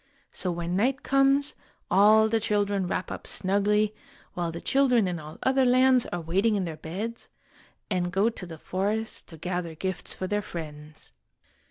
So when night comes, all the children wrap up snugly, while the children in all other lands are waiting in their beds, and go to the forest to gather gifts for their friends.